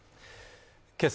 けさ